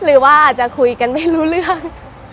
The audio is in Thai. หรือว่าอาจจะคุยกันไม่รู้เรื่อง